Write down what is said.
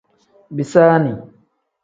Bisaani.